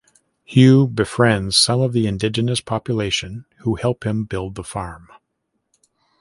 Huw befriends some of the indigenous population who help him build the farm.